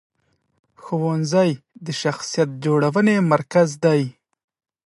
ښوونځی د شخصیت جوړونې مرکز دی.